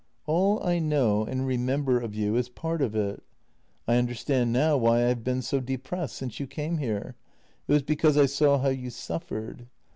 All I know T and remember of you is part of it. I understand now why I have been so depressed since you came here. It was because I saw how you suffered.